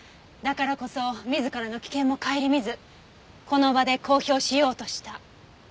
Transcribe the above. だからこそ自らの危険も顧みずこの場で公表しようとした。